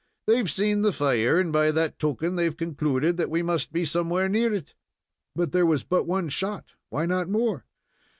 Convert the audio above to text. They've seen the fire, and by that token they've concluded that we must be somewhere near it." "But there was but one shot. Why not more?"